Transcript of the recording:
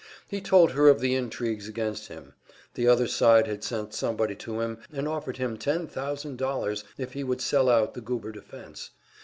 He told her of the intrigues against him; the other side had sent somebody to him and offered him ten thousand dollars if he would sell out the Goober defense.